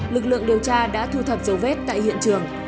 lực lượng điều tra đã thu thập dấu vết tại hiện trường